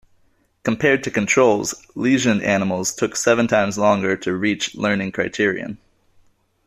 Compared to controls, lesioned animals took seven times longer to reach learning criterion.